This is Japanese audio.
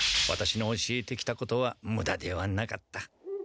ワタシの教えてきたことはムダではなかった！